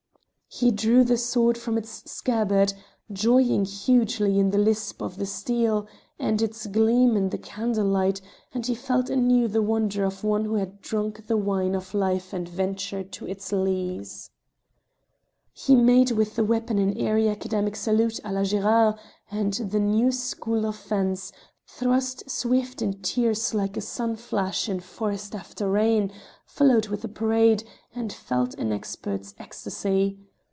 He drew the sword from its scabbard, joying hugely in the lisp of the steel, at its gleam in the candle light, and he felt anew the wonder of one who had drunk the wine of life and venture to its lees. He made with the weapon an airy academic salute à la Gerard and the new school of fence, thrust swift in tierce like a sun flash in forest after rain, followed with a parade, and felt an expert's ecstasy.